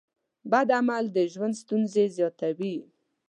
بد عمل د ژوند ستونزې زیاتوي.